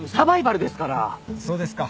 そうですか。